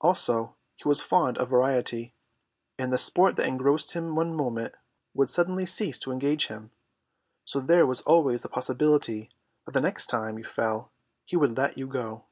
Also he was fond of variety, and the sport that engrossed him one moment would suddenly cease to engage him, so there was always the possibility that the next time you fell he would let you go.